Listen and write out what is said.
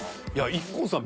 ＩＫＫＯさん